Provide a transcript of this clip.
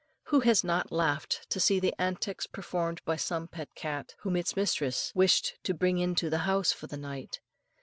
Who has not laughed to see the antics performed by some pet cat, whom its mistress wished to bring into the house for the night.